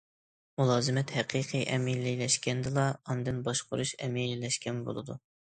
مۇلازىمەت ھەقىقىي ئەمەلىيلەشكەندىلا، ئاندىن باشقۇرۇش ئەمەلىيلەشكەن بولىدۇ.